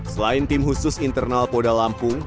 selain tim khusus internal polda lampung